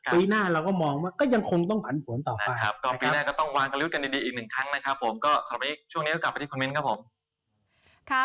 ปีหน้าเราก็มองว่าก็ยังคงต้องผันผวนต่อไป